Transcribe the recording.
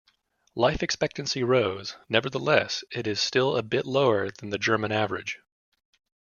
Life expectancy rose, nevertheless it is still a bit lower than the German average.